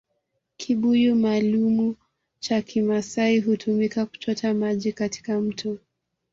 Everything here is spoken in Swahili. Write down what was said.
Kibuyu maalumu cha Kimaasai hutumika kuchota maji katika mto